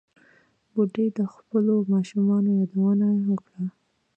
بوډۍ د خپلو ماشومانو یادونه وکړه.